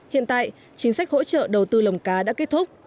hiện tại chính sách hỗ trợ đầu tư lồng cá đã kết thúc